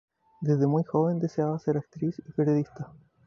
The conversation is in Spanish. Desde muy joven deseaba ser actriz y periodista.